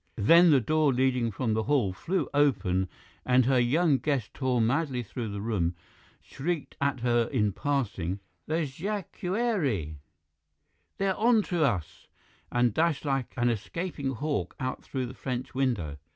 Then the door leading from the hall flew open and her young guest tore madly through the room, shrieked at her in passing, "The jacquerie! They're on us!" and dashed like an escaping hawk out through the French window.